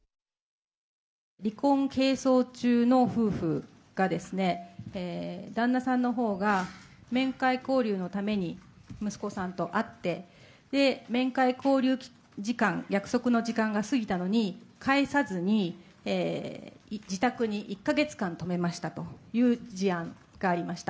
離婚係争中の夫婦がですね、旦那さんのほうが面会交流のために、息子さんと会って、面会交流時間、約束の時間が過ぎたのに、帰さずに、自宅に１か月間泊めましたという事案がありました。